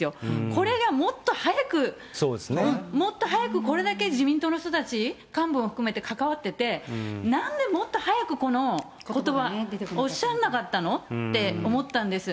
これがもっと早く、もっと早く、これだけ、自民党の人たち、幹部も含めて関わってて、なんでもっと早くこのことば、おっしゃらなかったのって思ったんです。